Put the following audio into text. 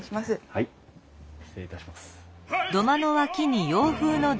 はい失礼いたします。